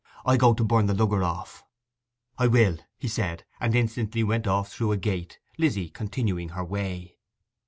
I go to burn the lugger off.' 'I will,' he said; and instantly went off through a gate, Lizzy continuing her way.